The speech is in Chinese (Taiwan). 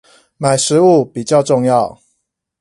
買食物比較重要